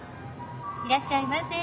いらっしゃいませ。